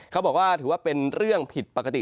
เขาบอกว่าถือว่าเป็นเรื่องผิดปกติ